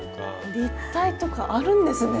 立体とかあるんですね。